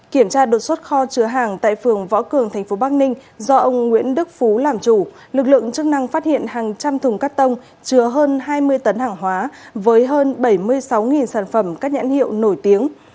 kiểm tra đột xuất kho chứa hàng tại phường võ cường tp bắc ninh do ông nguyễn đức phú làm chủ lực lượng chức năng phát hiện hàng trăm thùng cắt tông chứa hơn hai mươi tấn hàng hóa với hơn bảy mươi sáu sản phẩm các nhãn hiệu nổi tiếng